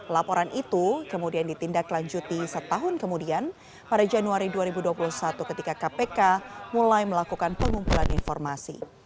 laporan itu kemudian ditindaklanjuti setahun kemudian pada januari dua ribu dua puluh satu ketika kpk mulai melakukan pengumpulan informasi